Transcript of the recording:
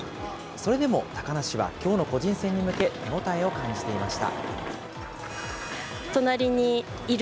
それでも高梨はきょうの個人戦に向け、手応えを感じていました。